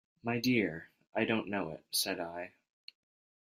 "My dear, I don't know it," said I.